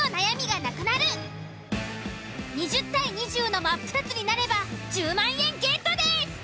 ２０：２０のマップタツになれば１０万円ゲットです！